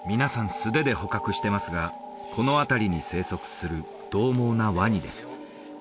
素手で捕獲してますがこの辺りに生息する獰猛なワニです